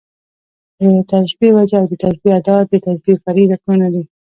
د تشبېه وجه او د تشبېه ادات، د تشبېه فرعي رکنونه دي.